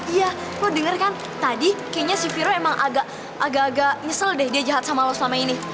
iya lo denger kan tadi kayaknya si viro emang agak agak nyesel deh dia jahat sama lo selama ini